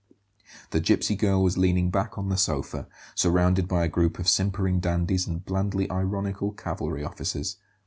The gipsy girl was leaning back on the sofa, surrounded by a group of simpering dandies and blandly ironical cavalry officers.